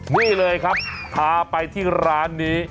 นี่เลยครับพาไปที่ร้านนี้